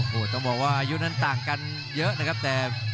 โอ้โหต้องบอกว่าอายุนั้นต่างกันเยอะนะครับแต่